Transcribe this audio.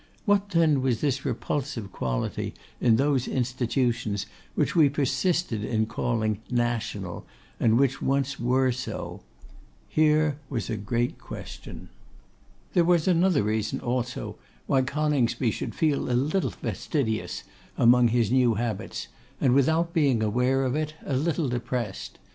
What, then, was this repulsive quality in those institutions which we persisted in calling national, and which once were so? Here was a great question. There was another reason, also, why Coningsby should feel a little fastidious among his new habits, and, without being aware of it, a little depressed.